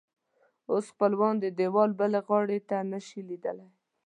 اوس خپلوان د دیوال بلې غاړې ته نه شي لیدلی.